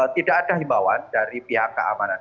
tidak ada himbawan dari pihak keamanan